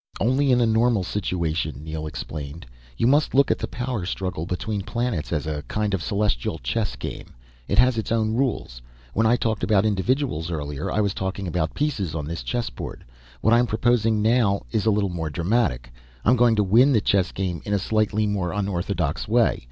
"Only in a normal situation," Neel explained. "You must look at the power struggle between planets as a kind of celestial chess game. It has its own rules. When I talked about individuals earlier I was talking about pieces on this chessboard. What I'm proposing now is a little more dramatic. I'm going to win the chess game in a slightly more unorthodox way.